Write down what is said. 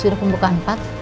sudah pembukaan empat